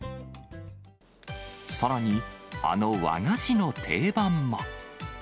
さらに、あの和菓子の定番も。